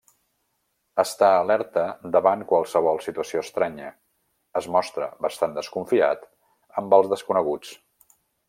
Està alerta davant qualsevol situació estranya, es mostra bastant desconfiat amb els desconeguts.